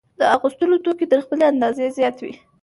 د اغوستلو توکي تر خپلې اندازې زیات وي